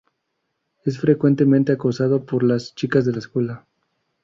Es frecuentemente acosado por las chicas de la escuela.